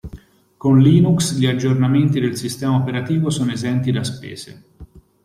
Con Linux gli aggiornamenti del sistema operativo sono esenti da spese.